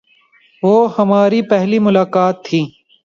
وہ ہماری پہلی ملاقات تھی۔